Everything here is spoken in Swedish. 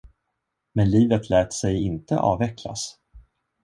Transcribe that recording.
Men livet lät sig inte avvecklas.